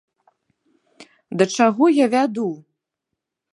Да чаго я вяду?